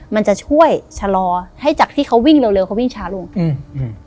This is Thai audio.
มันจะช่วยชะลอให้จากที่เขาวิ่งเร็วเร็วเขาวิ่งช้าลงอืมอืม